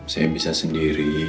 saya bisa sendiri